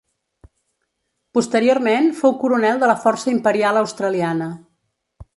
Posteriorment fou coronel de la Força Imperial australiana.